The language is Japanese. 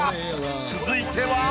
続いては。